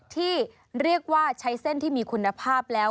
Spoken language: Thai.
ที่เรียกว่าใช้เส้นที่มีคุณภาพแล้ว